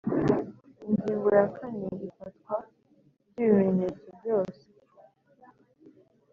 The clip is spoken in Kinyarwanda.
Ingingo ya kane Ifatwa ry ibimenyetso byose